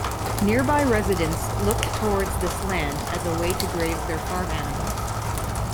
Nearby residents looked towards this land as a way to graze their farm animals.